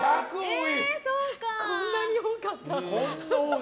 こんなに多かった。